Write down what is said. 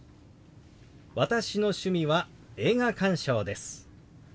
「私の趣味は映画鑑賞です」。